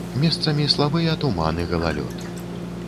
Месцамі слабыя туман і галалёд.